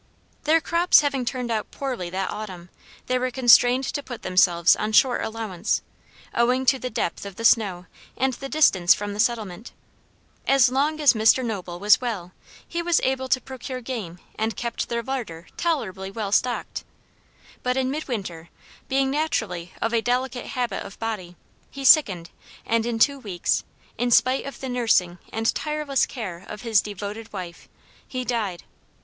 Their crops having turned out poorly that autumn, they were constrained to put themselves on short allowance, owing to the depth of the snow and the distance from the settlement. As long as Mr. Noble was well, he was able to procure game and kept their larder tolerably well stocked. But in mid winter, being naturally of a delicate habit of body, he sickened, and in two weeks, in spite of the nursing and tireless care of his devoted wife, he died.